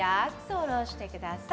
下ろしてください。